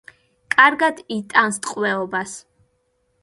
კარგად იტანს ტყვეობას.